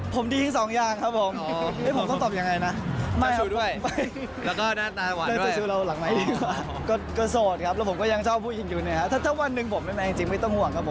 ผมดี๒อย่างครับผมและผมต้องตอบอย่างไรนะ